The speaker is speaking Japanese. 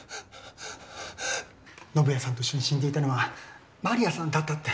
宣也さんと一緒に死んでいたのは万里亜さんだったって。